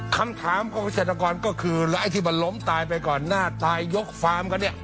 คำถามของเกษตรกรก็คือแล้วไอ้ที่มันล้มตายไปก่อนหน้าตายยกฟาร์มกันเนี่ย